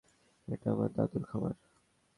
এটা আমার দাদুর খামার।